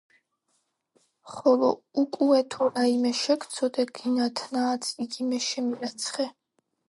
ხოლო უკუეთუ რაიმე შეგცოდა გინა თნა-აც, იგი მე შემირაცხე.